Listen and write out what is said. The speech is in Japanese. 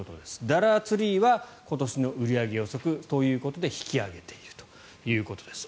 ダラー・ツリーは今年の売り上げ予測ということで引き上げているということです。